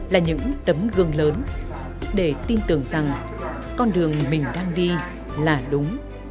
là những tấm gương lớn để tin tưởng rằng con đường mình đang đi là đúng